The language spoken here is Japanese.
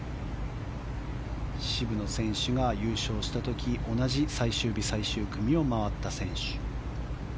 渋野選手が優勝した時同じ最終日、最終組を回った選手。